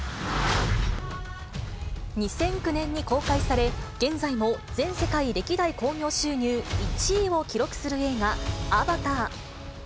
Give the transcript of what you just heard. ２００９年に公開され、現在も全世界歴代興行収入１位を記録する映画、アバター。